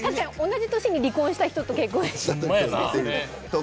同じ年に離婚した人と結婚した人。